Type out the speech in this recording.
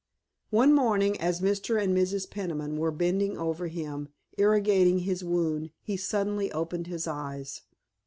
One morning as Mr. and Mrs. Peniman were bending over him irrigating his wound he suddenly opened his eyes.